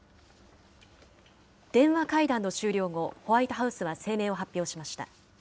電話会談の終了後、ホワイトハウスは声明を発表しました。